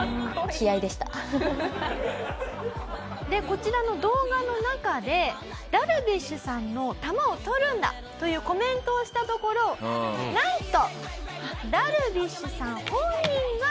でこちらの動画の中でダルビッシュさんの球を捕るんだというコメントをしたところなんと。